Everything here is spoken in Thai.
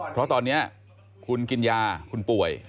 เพราะตอนนี้คุณกินยาคุณป่วย